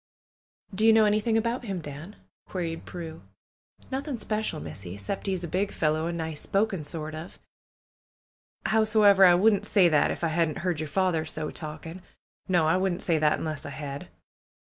"Do you know anything about him, Dan?" queried Prue. "Nothing speshul. Missy; 'cept he's a big fellow, an' nice spoken sort of. Howsomever, I wouldn't say that, if I hadn't heerd yer father so talking. No ; I wouldn't say that unless I had."